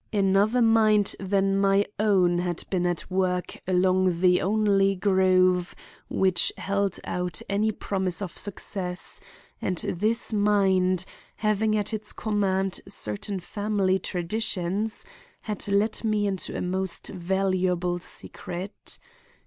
Another mind than my own had been at work along the only groove which held out any promise of success, and this mind, having at its command certain family traditions, had let me into a most valuable secret.